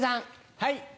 はい。